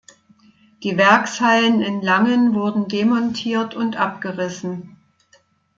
Die Werkshallen in Langen wurden demontiert und abgerissen.